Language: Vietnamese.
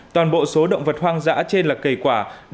toàn bộ số động vật hoang dã trên là cây quả